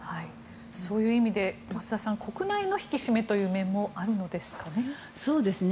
そういう意味で増田さん国内の引き締めという面もあるのでしょうかね。